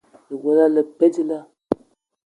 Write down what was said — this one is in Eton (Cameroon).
Lewela le pe dilaah?